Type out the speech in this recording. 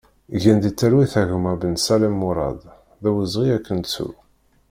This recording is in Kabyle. Gen di talwit a gma Bensalem Murad, d awezɣi ad k-nettu!